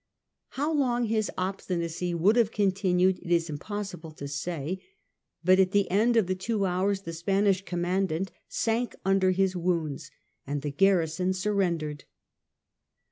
How long his obstinacy would have continued it is impossible to say, but at the end of the two hours the Spanish commandant sank under his wounds, and the garrison surrendered.